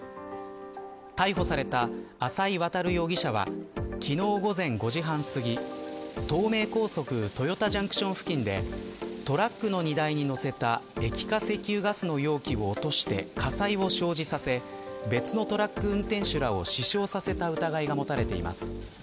逮捕された浅井渉容疑者は昨日午前５時半すぎ東名高速豊田ジャンクション付近でトラックの荷台に載せた液化石油ガスの容器を落として火災を生じさせ別のトラック運転手らを死傷させた疑いが持たれています。